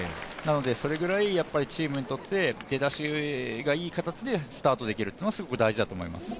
それぐらいチームにとって出だしがいい形でスタートできるというのがすごく大事だと思います。